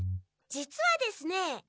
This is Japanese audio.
実はですね